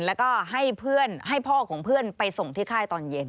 แล้วก็ให้พ่อของเพื่อนไปส่งที่ค่ายตอนเย็น